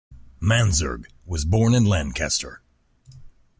Mansergh was born in Lancaster.